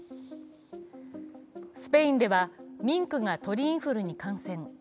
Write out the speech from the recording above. スペインではミンクが鳥インフルに感染。